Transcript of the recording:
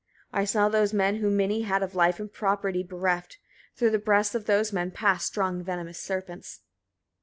64. I saw those men who many had of life and property bereft: through the breasts of those men passed strong venomous serpents.